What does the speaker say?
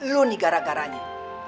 lu nih gara garanya